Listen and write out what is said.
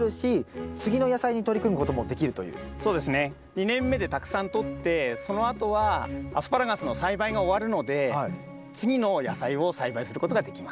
２年目でたくさんとってそのあとはアスパラガスの栽培が終わるので次の野菜を栽培することができます。